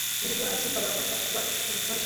ibibora bitabasha kuragwa ibitabora